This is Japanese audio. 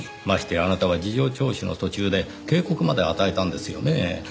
ましてあなたは事情聴取の途中で警告まで与えたんですよねぇ。